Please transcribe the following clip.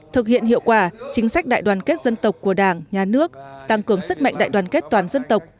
thực hiện hiệu quả chính sách đại đoàn kết dân tộc của đảng nhà nước tăng cường sức mạnh đại đoàn kết toàn dân tộc